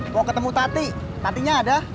mau ketemu tati tatinya ada